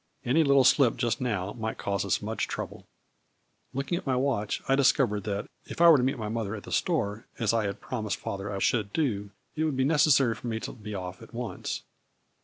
Any little slip just now might cause us much trouble." Looking at my watch I discovered that if I were to meet my mother at the store, as I had promised father I should do, it would be neces sary for me to be off at once.